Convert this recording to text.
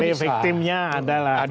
ya blake efektifnya adalah